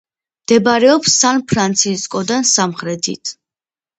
მდებარეობს სან-ფრანცისკოდან სამხრეთით.